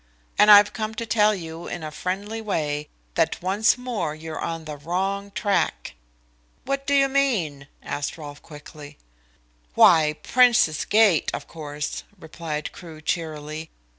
And I've come to tell you in a friendly way that once more you're on the wrong track." "What do you mean?" asked Rolfe quickly. "Why, Princes Gate, of course," replied Crewe cheerily.